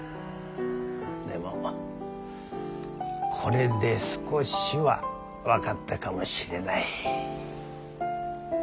でもこれで少しは分かったかもしれない。